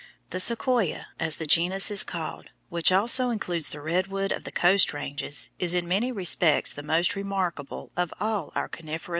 The Sequoia, as the genus is called, which also includes the redwood of the Coast ranges, is in many respects the most remarkable of all our coniferous trees.